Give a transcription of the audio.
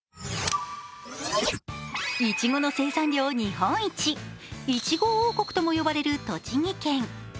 いちごの生産量日本一、いちご王国とも呼ばれる栃木県。